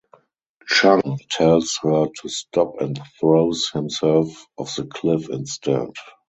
Chang tells her to stop and throws himself off the cliff instead.